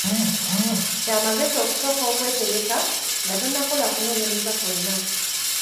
Kya magezi okusooka okwetegeka nga tonnakola kunoonyereza kwonna.